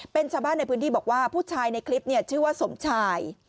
เป็นชาวบ้านในพื้นที่บอกว่าผู้ชายในคลิปชื่อว่าสมชาย